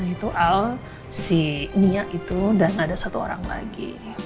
itu al si nia itu dan ada satu orang lagi